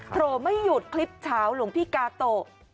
โถไม่หยุดคลิปเช้าหลวงพี่กาโต